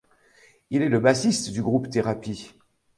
Il est le bassiste du groupe Therapy?.